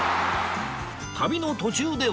旅の途中では